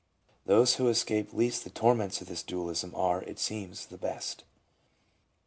Those who escape least the torments of this dualism, are, it seems, the best.